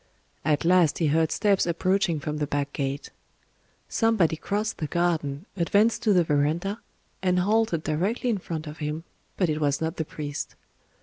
At last he heard steps approaching from the back gate. Somebody crossed the garden, advanced to the verandah, and halted directly in front of him—but it was not the priest.